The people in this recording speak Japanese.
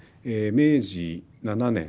明治７年。